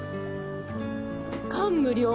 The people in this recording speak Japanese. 感無量。